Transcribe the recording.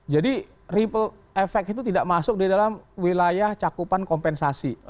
jadi ripple effect itu tidak masuk di dalam wilayah cakupan kompensasi